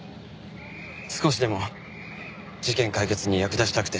少しでも事件解決に役立ちたくて。